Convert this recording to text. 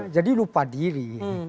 jadi lupa diri